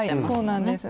そうなんです。